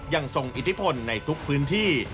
ยังทรงอิทธิพลในทุกพื้นที่